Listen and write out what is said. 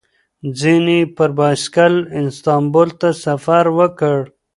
ځینې یې پر بایسکل استانبول ته سفر وکړ.